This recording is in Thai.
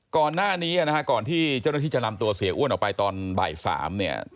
ก่อนหน้านี้นะฮะก่อนที่เจ้าหน้าที่จะนำตัวเสียอ้วนออกไปตอนบ่าย๓เนี่ย